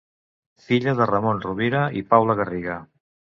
Filla de Ramon Rovira i Paula Garriga.